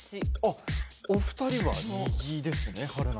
お二人は右ですね。